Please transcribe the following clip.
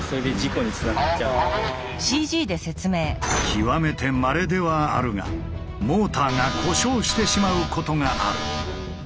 極めてまれではあるがモーターが故障してしまうことがある。